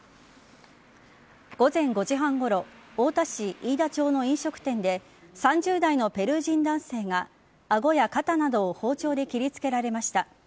午前５時半ごろ太田市飯田町の飲食店で３０代のペルー人男性が顎や肩などを包丁で切りつけられました。